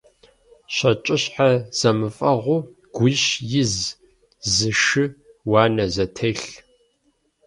ЩэкӀыщхьэ зэмыфэгъуу гуищ из, зы шы – уанэ зэтелъ!